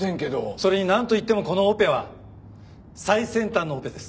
それになんといってもこのオペは最先端のオペです。